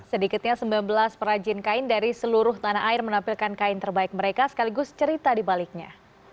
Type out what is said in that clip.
sedikitnya sembilan belas perajin kain dari seluruh tanah air menampilkan kain terbaik mereka sekaligus cerita di baliknya